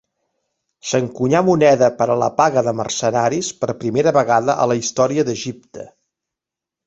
S'encunyà moneda per a la paga de mercenaris per primera vegada a la història d'Egipte.